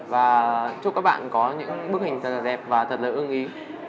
và chúc các bạn có những bức ảnh thật là đẹp và thật là ưng ý